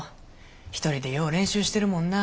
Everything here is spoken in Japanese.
一人でよう練習してるもんな。